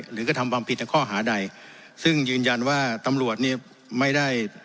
กระทำความผิดในข้อหาใดซึ่งยืนยันว่าตำรวจเนี่ยไม่ได้